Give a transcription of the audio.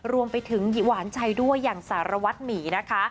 รวมไปถึงหวานใจด้วยอย่างสารวัตรหมีนะคะ